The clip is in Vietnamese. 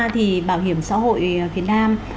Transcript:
thì bảo hiểm xã hội việt nam